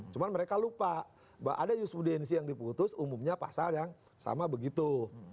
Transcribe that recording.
cuma mereka lupa bahwa ada jusbudensi yang diputus umumnya pasal yang sama begitu